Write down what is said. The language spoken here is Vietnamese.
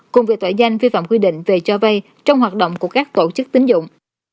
cùng về tội danh vi phạm quy định về cho vay trong hoạt động của các tổ chức tính dụng